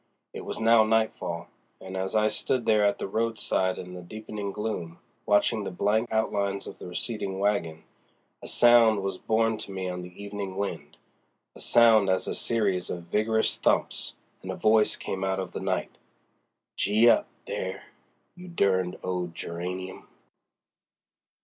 It was now nightfall, and as I stood there at the roadside in the deepening gloom, watching the blank outlines of the receding wagon, a sound was borne to me on the evening wind—a sound as of a series of vigorous thumps—and a voice came out of the night: "Gee up, there, you derned old Geranium."